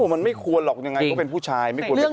มันไม่ควรหรอกยังไงก็เป็นผู้ชาย